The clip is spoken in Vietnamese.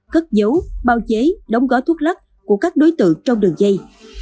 cất dấu bao chế đóng gói thuốc lắc của các đối tượng trong đường dây